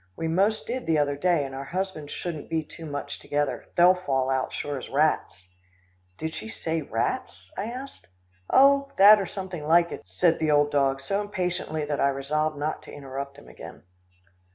We 'most did the other day and our husbands shouldn't be too much together. They'll fall out, sure as rats.'" "Did she says 'rats'?" I asked. "Oh! that, or something like it," said the old dog so impatiently that I resolved not to interrupt him again.